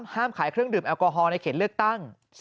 ห้ามขายเครื่องดื่มแอลกอฮอลในเขตเลือกตั้ง